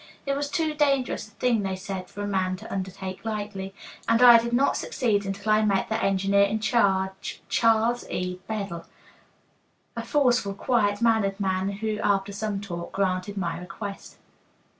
It was too dangerous a thing, they said, for a man to undertake lightly. And I did not succeed until I met the engineer in charge, Charles E. Bedell, a forceful, quiet mannered man, who, after some talk, granted my request.